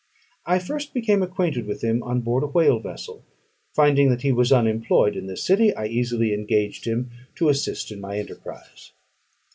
I first became acquainted with him on board a whale vessel: finding that he was unemployed in this city, I easily engaged him to assist in my enterprise.